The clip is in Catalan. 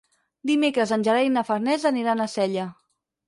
Dimecres en Gerai i na Farners aniran a Sella.